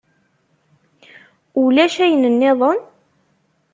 Ulac ayen-nniḍen?